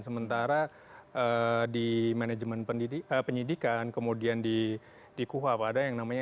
sementara di manajemen penyidikan kemudian di kuha pada yang namanya sp tiga